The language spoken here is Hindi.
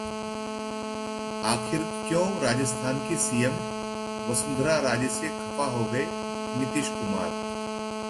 आखिर क्यों राजस्थान की सीएम वसुंधरा राजे से खफा हो गए नीतीश कुमार?